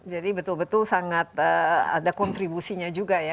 jadi betul betul sangat ada kontribusinya juga ya